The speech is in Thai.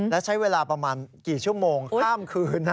และใช้เวลาประมาณกี่ชั่วโมงข้ามคืน